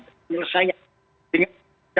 dan menyelesaikan dengan